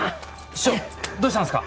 師匠どうしたんすか？